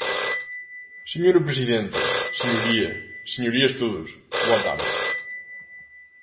Señora presidenta, señoría, señorías todos, boa tarde.